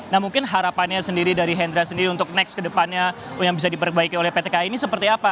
nah mungkin harapannya sendiri dari hendra sendiri untuk next ke depannya yang bisa diperbaiki oleh pt kai ini seperti apa